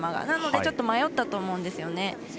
なので、ちょっと迷ったと思うんですよね。